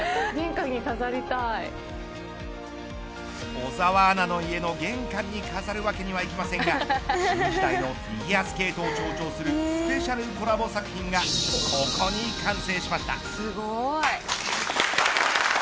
小澤アナの家の玄関に飾るわけにはいきませんが新時代のフィギュアスケートを象徴するスペシャルコラボ作品がここに完成しました。